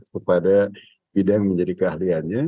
kepada bidang menjadi keahliannya